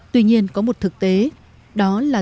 tuy nhiên có một thực tế đó là